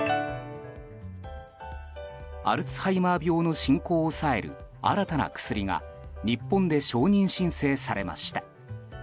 アルツハイマー病の進行を抑える新たな薬が日本で承認申請されました。